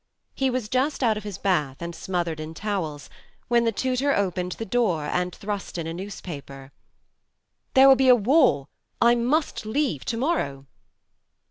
He was just out of his bath, and smothered in towels, when the tutor opened the door and thrust in a newspaper. "There will be war I must leave to morrow."